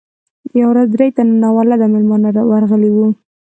یوه ورځ درې تنه ناولده میلمانه ورغلي وو.